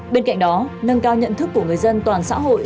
bên cạnh đó nâng cao nhận thức của người dân toàn xã hội